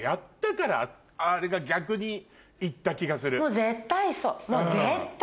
もう絶対そう。